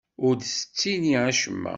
Ur d-ttini acemma.